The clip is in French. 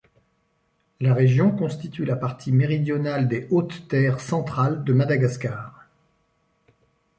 La région constitue la partie méridionale des hautes terres centrales de Madagascar.